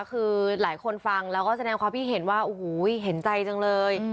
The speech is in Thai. คือหลายคนฟังแล้วก็แสดงความคิดเห็นว่าโอ้โหเห็นใจจังเลย